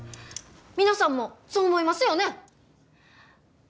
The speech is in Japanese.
皆さんもそう思いますよね？